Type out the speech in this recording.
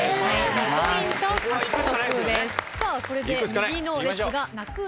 ３ポイント獲得。